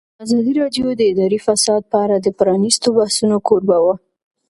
ازادي راډیو د اداري فساد په اړه د پرانیستو بحثونو کوربه وه.